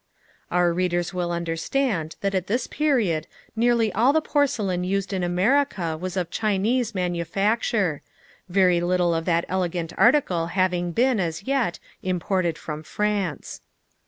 Our readers will understand, that at this period nearly all the porcelain used in America was of Chinese manufacture; very little of that elegant article having been, as yet, imported from France.